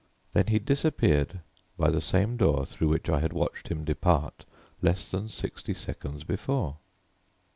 Then he disappeared by the same door through which I had watched him depart less than sixty seconds before.